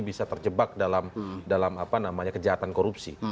bisa terjebak dalam kejahatan korupsi